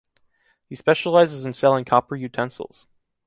He specializes in selling copper utensils.